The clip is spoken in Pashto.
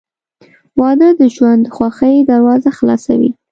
• واده د ژوند د خوښۍ دروازه خلاصوي.